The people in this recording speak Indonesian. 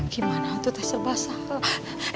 gimana untuk terserba salah